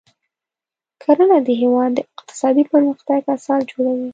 کرنه د هیواد د اقتصادي پرمختګ اساس جوړوي.